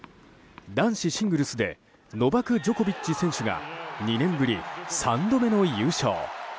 男子シングルスでノバク・ジョコビッチ選手が２年ぶり３度目の優勝。